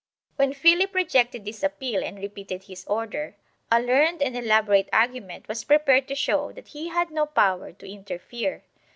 When Philip rejected this appeal and repeated his order, a learned and elaborate argument was prepared to show that he had no power to interfere.